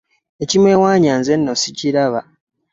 Ekimwewaanya nze nno ssikiraba.